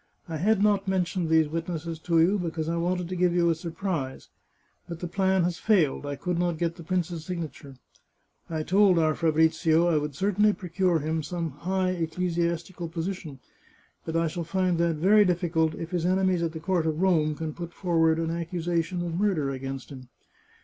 I had not mentioned these witnesses to you, because I wanted to give you a surprise. But the plan has failed; I could not get the prince's signature, I told our Fabrizio I would certainly procure him some high ecclesi astical position, but I shall find that very difficult if his enemies at the court of Rome can put forward an accusa tion of murder against him.